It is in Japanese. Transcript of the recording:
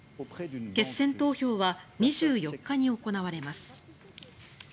決選投票は２４日に行われます。